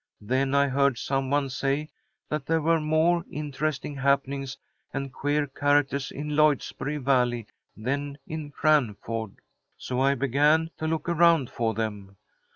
Then I heard some one say that there were more interesting happenings and queer characters in Lloydsboro Valley than in Cranford. So I began to look around for them.